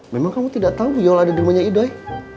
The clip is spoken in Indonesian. memang kamu tidak tahu yola ada di rumahnya idoi